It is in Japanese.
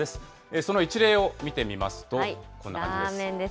その一例を見てみますと、こんな感じです。